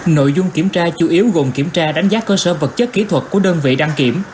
nội dung kiểm tra chủ yếu gồm kiểm tra đánh giá cơ sở vật chất kỹ thuật của đơn vị đăng kiểm